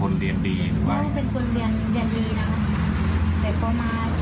เป็นคนเรียนเรียนดีนะครับแต่พอมาช่วงหลังหลังเนี้ย